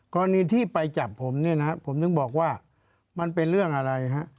กรณีที่ไปจับผมเนี่ยนะผมถึงบอกว่ามันเป็นเรื่องอะไรฮะ